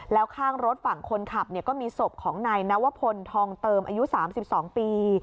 แล้วข้างรถฝั่งคนขับก็มีศพของนายนวพลทองเติมอายุ๓๒ปี